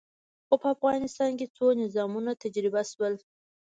خو په افغانستان کې څو نظامونه تجربه شول.